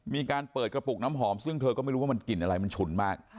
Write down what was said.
มีการเปิดกระปุกน้ำหอมซึ่งเธอก็ไม่รู้ว่ามันกลิ่นอะไรมันฉุนมาก